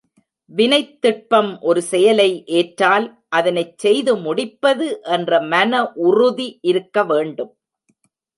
வினைத்திட்பம் ஒரு செயலை ஏற்றால் அதனைச் செய்து முடிப்பது என்ற மனஉறுதி இருக்க வேண்டும்.